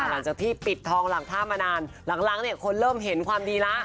หลังจากที่ปิดทองหลังผ้ามานานหลังเนี่ยคนเริ่มเห็นความดีแล้ว